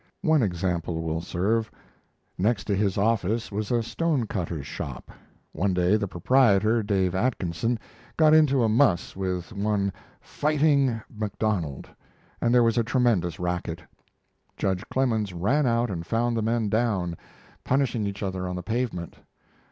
One example will serve: Next to his office was a stone cutter's shop. One day the proprietor, Dave Atkinson, got into a muss with one "Fighting" MacDonald, and there was a tremendous racket. Judge Clemens ran out and found the men down, punishing each other on the pavement.